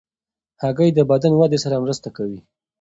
هګۍ د بدن ودې سره مرسته کوي.